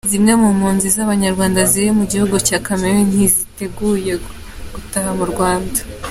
Zimwe mu mpunzi z’Abanyarwanda ziri mu gihugu cya Cameroun ntiziteguye gutaha mu Rwanda.